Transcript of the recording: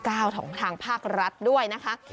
ของทางภาครัฐด้วยนะคะ